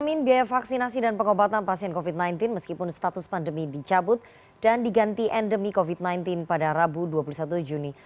menjamin biaya vaksinasi dan pengobatan pasien covid sembilan belas meskipun status pandemi dicabut dan diganti endemi covid sembilan belas pada rabu dua puluh satu juni